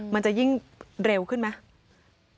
มันจะยิ่งเร็วขึ้นไหม